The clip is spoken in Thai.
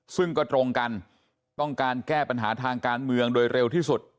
ซึ่งก็ตรงกันต้องการแก้ปัญหาทางการเมืองโดยเร็วที่สุด